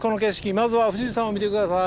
まずは富士山を見て下さい。